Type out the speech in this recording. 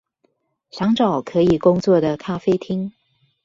想找可以工作的咖啡廳